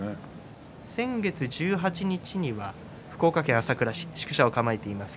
先月１８日には福岡県朝倉市に宿舎を構えています。